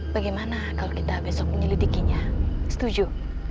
bagaimana kalau kita besok menyelidikinya setuju